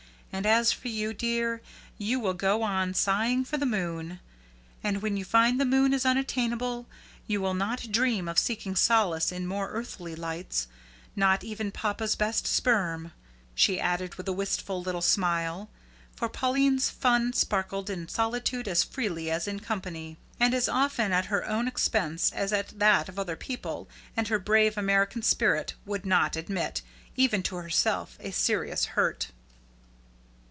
And as for you, dear, you will go on sighing for the moon; and when you find the moon is unattainable, you will not dream of seeking solace in more earthly lights not even poppa's best sperm," she added, with a wistful little smile, for Pauline's fun sparkled in solitude as freely as in company, and as often at her own expense as at that of other people, and her brave American spirit would not admit, even to herself, a serious hurt.